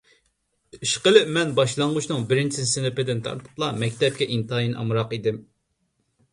ئىشقىلىپ، مەن باشلانغۇچنىڭ بىرىنچى سىنىپىدىن تارتىپلا مەكتەپكە ئىنتايىن ئامراق ئىدىم.